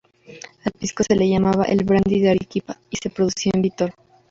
Al pisco se le llamaba "el Brandy de Arequipa" y se producía en Vítor.